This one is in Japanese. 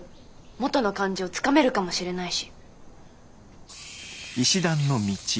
元の感じをつかめるかもしれないし。